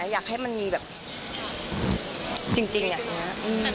อยากให้มันมีแบบจริงอย่างนี้